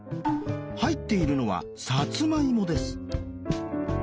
入っているのはさつまいもです。